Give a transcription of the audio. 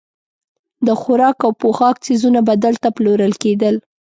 د خوراک او پوښاک څیزونه به دلته پلورل کېدل.